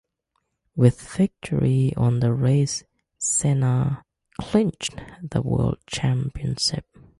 With victory in the race, Senna clinched the World Championship.